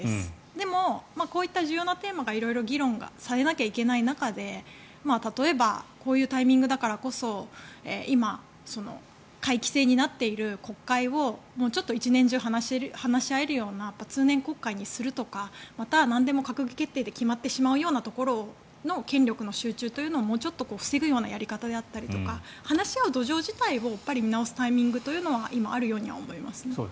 でも、こういった重要なテーマが色々議論されなきゃいけない中で例えばこういうタイミングだからこそ今、会期制になっている国会をもうちょっと１年中話し合えるような通年国会にするとかまた、なんでも閣議決定で決まってしまうところの権力の集中をもうちょっと防ぐようなやり方であったりとか話し合う土壌自体を見直すタイミングは今、あるように思います。